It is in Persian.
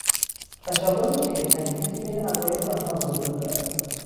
تشابه شگفتانگیزی بین عقاید آنها وجود دارد.